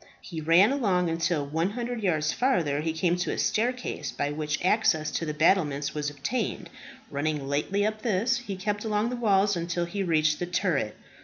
He ran along until, 100 yards farther, he came to a staircase by which access to the battlements was obtained. Running lightly up this, he kept along the wall until he reached the turret.